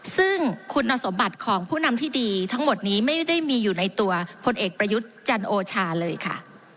ซึ่งคุณสมบัติของผู้นำที่ดีทั้งหมดนี้ไม่ได้มีอยู่ในตัวพลเอกประยุทธ์จันโอชาเลยค่ะ